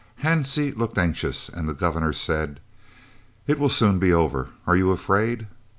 Hansie looked anxious, and the Governor said: "It will soon be over. Are you afraid?"